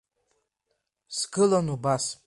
Сгылан убас.